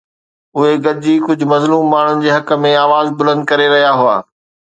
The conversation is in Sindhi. اهي گڏجي ڪجهه مظلوم ماڻهن جي حق ۾ آواز بلند ڪري رهيا هئا.